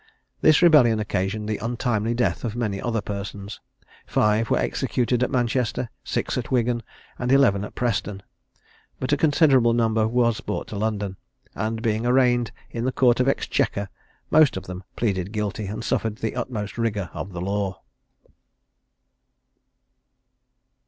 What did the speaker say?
This rebellion occasioned the untimely death of many other persons. Five were executed at Manchester, six at Wigan, and eleven at Preston; but a considerable number was brought to London, and, being arraigned in the Court of Exchequer, most of them pleaded guilty, and suffered the utmost rigour of the law.